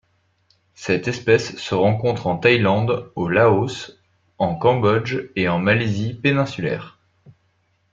Cette espèce se rencontre en Thaïlande, au Laos, en Cambodge et en Malaisie péninsulaire.